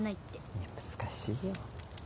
いや難しいよ。